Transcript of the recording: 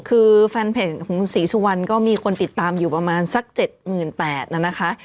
คือแฟนเพลงของศรีสุภัณฑ์ก็มีคนติดตามอยู่ประมาณสัก๗๘๐๐๐นะนะคะ